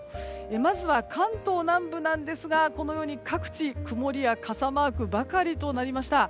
まずは関東南部ですがこのように各地曇りや傘マークばかりになりました。